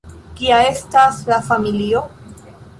Kia estas la familio?